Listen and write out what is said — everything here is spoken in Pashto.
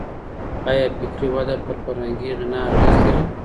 آيا فکري وده پر فرهنګي غنا اغېز لري؟